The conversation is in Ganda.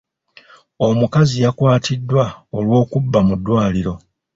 Omukazi yakwatiddwa olw'okubba mu ddwaliro.